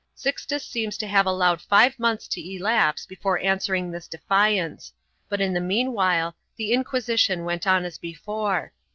2 Sixtus seems to have allowed five months to elapse before answering this defiance, but in the meanwhile the Inquisition went on as before.